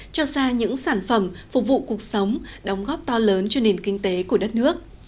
cho ra những sản phẩm phục vụ cuộc sống đóng góp to lớn cho nền kinh tế của đất nước